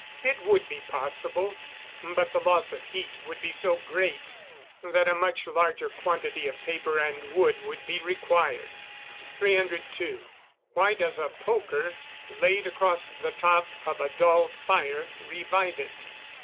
_ It would be possible; but the loss of heat would be so great, that a much larger quantity of paper and wood would be required. 302. _Why does a poker laid across the top of a dull fire revive it?